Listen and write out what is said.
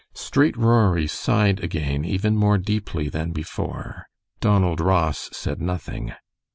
Straight Rory sighed again even more deeply than before. Donald Ross said nothing.